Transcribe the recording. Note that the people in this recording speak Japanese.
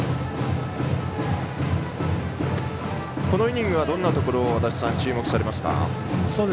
このイニングはどんなところを注目されますか。